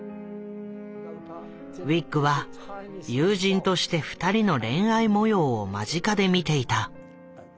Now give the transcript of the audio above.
ウィッグは友人として２人の恋愛模様を間近で見ていた。